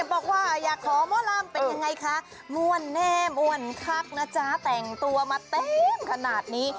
บอกว่าอยากขอหมอลำเป็นยังไงคะม่วนแน่ม่วนคักนะจ๊ะแต่งตัวมาเต็มขนาดนี้